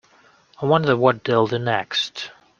I wonder what they’ll do next!